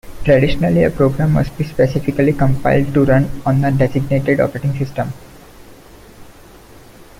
Traditionally, a program must be specifically compiled to run on a designated operating system.